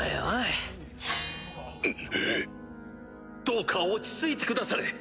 どうか落ち着いてくだされ。